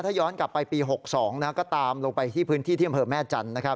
ถ้าย้อนกลับไปปี๖๒ก็ตามลงไปที่พื้นที่ที่อำเภอแม่จันทร์นะครับ